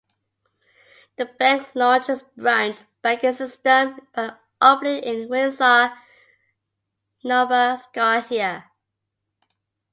The bank launched its branch banking system by opening in Windsor, Nova Scotia.